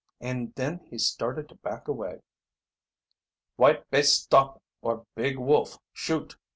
And then he started to back away. "White bay stop or Big Wolf shoot!"